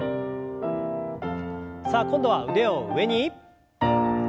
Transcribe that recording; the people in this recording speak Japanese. さあ今度は腕を上に。